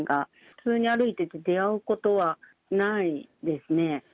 普通に歩いてて出会うことはないですね。